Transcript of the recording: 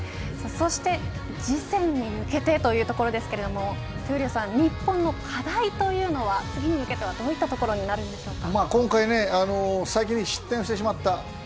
そして次戦に向けてというところですけれども闘莉王さん日本の課題というのは次に向けてはどういったところに今回、先に失点してしまった。